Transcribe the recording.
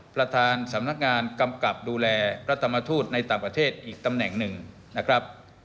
ประธานสำนักงานกำกับดูแลรัฐมทูตในต่างประเทศอีกตำแหน่งหนึ่งนะครับ